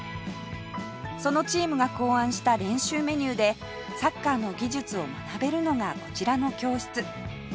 そのチームが考案した練習メニューでサッカーの技術を学べるのがこちらの教室